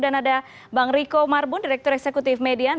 dan ada bang riko marbun direktur eksekutif median